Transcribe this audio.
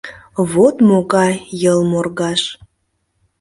Вот могай йылморгаж!